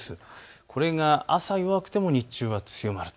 これが朝弱くても日中は強まる。